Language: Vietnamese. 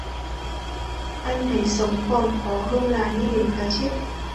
Anh thấy sống còn khó hơn là nghĩ đến cái chết